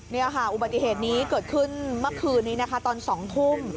นี่ค่ะอุบัติเหตุนี้เกิดขึ้นเมื่อคืนนี้นะคะตอน๒ทุ่ม